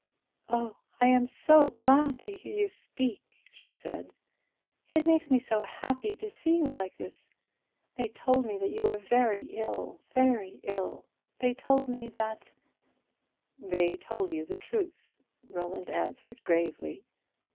"Oh, I am so glad to hear you speak!" she said; "it makes me so happy to see you like this. They told me that you were very, very ill; they told me that " "They told you the truth," Roland answered gravely.